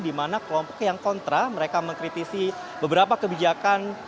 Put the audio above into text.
dimana kelompok yang kontra mereka mengkritisi beberapa kebijakan